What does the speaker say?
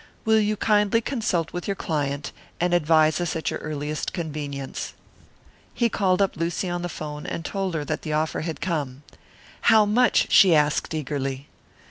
Will you kindly consult with your client, and advise us at your earliest convenience?" He called up Lucy on the 'phone and told her that the offer had come. "How much?" she asked eagerly.